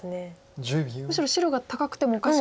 むしろ白が高くてもおかしくない。